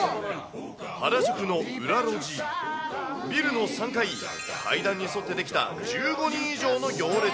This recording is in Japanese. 原宿の裏路地、ビルの３階、階段に沿って出来た１５人以上の行列。